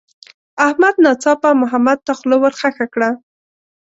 احمد ناڅاپه محمد ته خوله ورخښه کړه.